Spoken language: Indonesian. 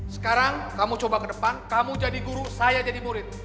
sekarang kamu coba ke depan kamu jadi guru saya jadi murid